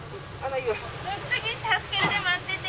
次助けるで待ってて。